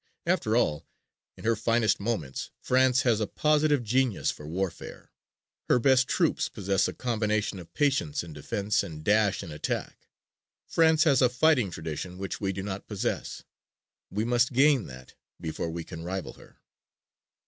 After all, in her finest moments, France has a positive genius for warfare. Her best troops possess a combination of patience in defense and dash in attack. France has a fighting tradition which we do not possess. We must gain that before we can rival her.